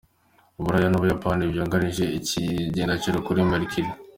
Uburaya n'Ubuyapani vyarungitse ikigendajuru kuri Mercure.